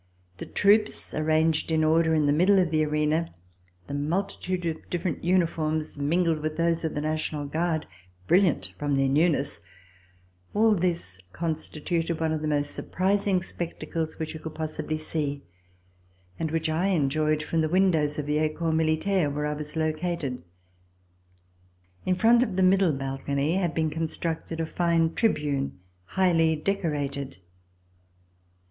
The troops, arranged in order in the middle of the arena, the multitude of different uniforms, mingled with those of the National Guard, brilliant from their newness, — all this constituted one of the most sur C114] VISIT TO SWITZERLAND prising spectacles which you could possibly see, and which I enjoyed from the windows of the Ecole Militaire, where I was located. In front of the middle balcony had been constructed a fine tribune, highly decorated.